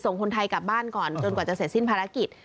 ส่งคนไทยกลับบ้านก่อนจนกว่าจะเสร็จสิ้นภารกิจ